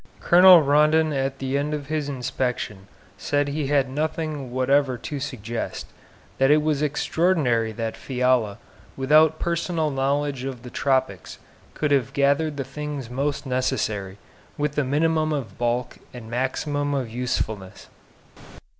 Colonel Rondon at the end of his inspection said he had nothing whatever to suggest; that it was extraordinary that Fiala, without personal knowledge of the tropics, could have gathered the things most necessary, with the minimum of bulk and maximum of usefulness.